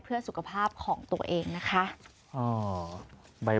เพื่อสุขภาพของตัวเองนะคะ